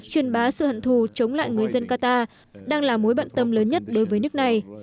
truyền bá sự hận thù chống lại người dân qatar đang là mối bận tâm lớn nhất đối với nước này